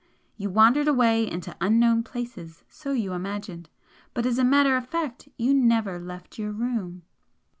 You wandered away into unknown places, so you imagined, but as a matter of fact you NEVER LEFT YOUR ROOM!"